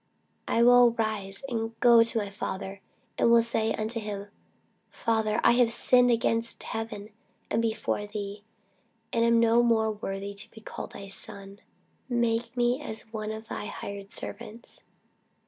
I will arise and go to my father, and will say unto him, Father, I have sinned against heaven, and before thee, and am no more worthy to be called thy son: make me as one of thy hired servants.